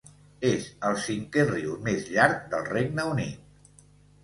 És el cinquè riu més llarg del Regne Unit.